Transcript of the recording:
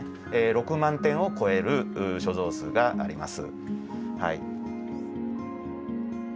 ６万点を超える所蔵数があります。